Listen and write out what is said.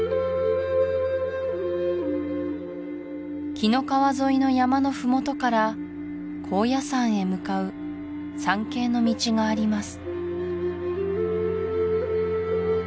紀の川沿いの山の麓から高野山へ向かう参詣の道があります